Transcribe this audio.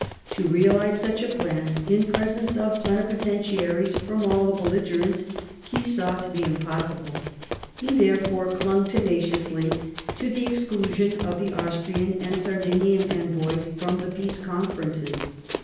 To realise such a plan in presence of plenipotentiaries from all the belligerents he saw to be impossible; he therefore clung tenaciously to the exclusion of the Austrian and Sardinian envoys from the peace conferences.